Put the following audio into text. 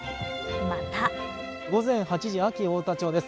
また午前８時、安芸太田町です。